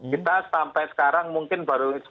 kita sampai sekarang mungkin baru